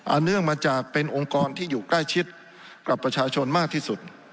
เนื่องมาจากเป็นองค์กรที่อยู่ใกล้ชิดกับประชาชนมากที่สุด